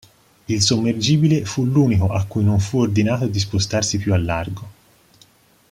Il sommergibile fu l'unico a cui non fu ordinato di spostarsi più al largo.